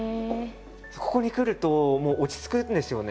ここに来るともう落ち着くんですよね。